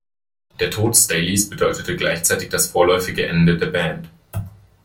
Der Tod Staleys bedeutete gleichzeitig das vorläufige Ende der Band.